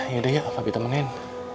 yaudah ya papi temenin